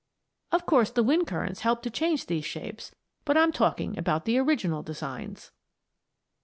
Of course the wind currents help to change these shapes, but I'm talking about the original designs.